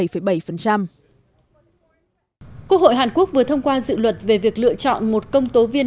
quốc hội hàn quốc vừa thông qua dự luật về việc lựa chọn một công tố viên